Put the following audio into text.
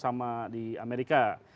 sama di amerika